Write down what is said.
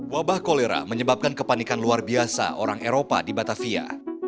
wabah kolera menyebabkan kepanikan luar biasa orang eropa di batavia